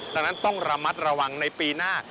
ดังนั้นต้องระมัดระวังในปีหน้า